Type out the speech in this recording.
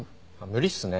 無理っすね。